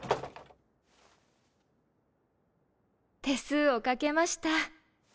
手数をかけました。